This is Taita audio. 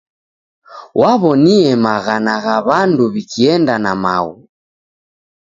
Waw'onie maghana gha w'andu w'ikienda na maghu.